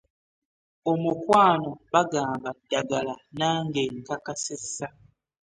Omukwano bagamba ddagala nange nkakasizza.